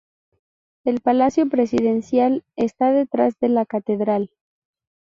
El Palacio presidencial está detrás de la catedral.